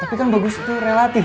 tapi kan bagus itu relatif